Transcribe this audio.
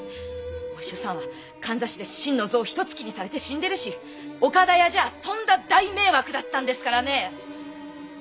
お師匠さんは釵で心の臓を一突きにされて死んでるし岡田屋じゃとんだ大迷惑だったんですからね！